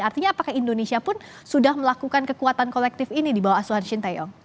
artinya apakah indonesia pun sudah melakukan kekuatan kolektif ini di bawah asuhan shin taeyong